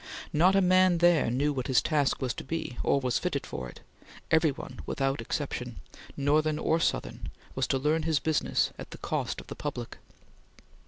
Not a man there knew what his task was to be, or was fitted for it; every one without exception, Northern or Southern, was to learn his business at the cost of the public.